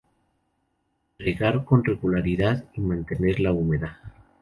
Regar con regularidad y mantenerla húmeda.